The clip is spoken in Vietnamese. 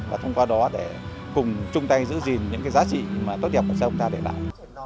và thông qua đó để cùng chung tay giữ gìn những giá trị tốt đẹp của chúng ta để lại